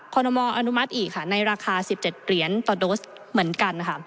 มออนุมัติอีกค่ะในราคา๑๗เหรียญต่อโดสเหมือนกันค่ะ